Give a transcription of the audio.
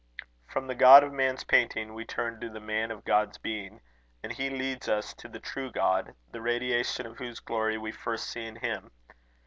From the God of man's painting, we turn to the man of God's being, and he leads us to the true God, the radiation of whose glory we first see in him.